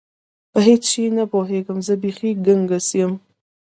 په هیڅ شي نه پوهېږم، زه بیخي ګنګس یم.